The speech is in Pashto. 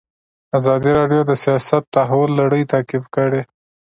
ازادي راډیو د سیاست د تحول لړۍ تعقیب کړې.